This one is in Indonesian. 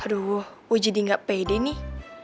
aduh oh jadi gak pede nih